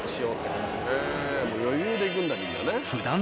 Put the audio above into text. へえ余裕で行くんだみんなね。